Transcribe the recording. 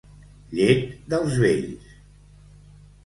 Llet dels vells.